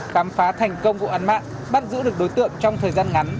cám phá thành công vụ ăn mạng bắt giữ được đối tượng trong thời gian ngắn